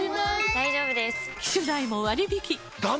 大丈夫です！